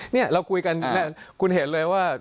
นี่เราคุยกันคุณเห็นเลยว่า